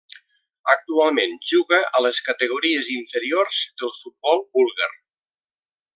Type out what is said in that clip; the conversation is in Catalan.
Actualment juga a les categories inferiors del futbol búlgar.